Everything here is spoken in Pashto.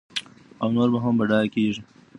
او نور به هم بډایه کېږي.